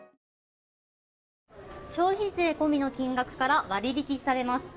消費税込みの金額から割引されます。